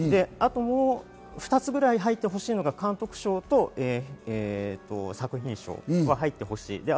あともう２つぐらい入ってほしいのが監督賞と作品賞は入ってほしい。